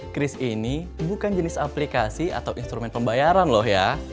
kris ini bukan jenis aplikasi atau instrumen pembayaran loh ya